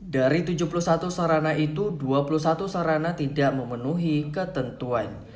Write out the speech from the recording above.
dari tujuh puluh satu sarana itu dua puluh satu sarana tidak memenuhi ketentuan